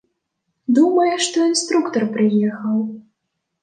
Думае, што інструктар прыехаў.